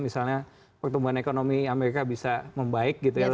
misalnya pertumbuhan ekonomi amerika bisa membaik gitu ya